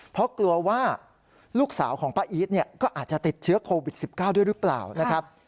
เพราะกลัวว่าลูกสาวของป้าอีทเนี่ยก็อาจจะติดเชื้อโควิด๑๙ด้วยหรือเปล่านะครับ